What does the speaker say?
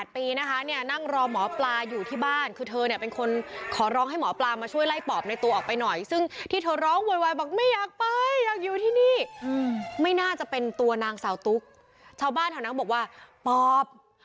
๘ปีนะคะเนี่ยนั่งรอหมอปลาอยู่ที่บ้านคือเธอเนี่ยเป็นคนขอร้องให้หมอปลามาช่วยไล่ปอบในตัวออกไปหน่อยซึ่งที่เธอร้องวัยวัยบอกไม่อยากไปอยากอยู่ที่นี่ไม่น่าจะเป็นตัวนางสาวตุ๊กชาวบ้านเท่านั้นบอกว่าปอบ